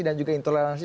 dan juga intoleransi